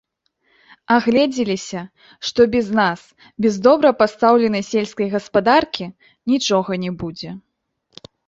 Агледзеліся, што без нас, без добра пастаўленай сельскай гаспадаркі, нічога не будзе.